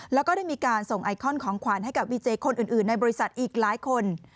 แล้วก็ได้มีการส่งไอคอนของขวัญให้กับวีเจคนอื่นในบริษัทอีกหลายคน